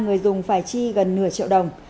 người tiêu dùng phải chi gần nửa triệu đồng